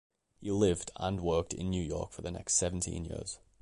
He lived and worked in New York for the next seventeen years.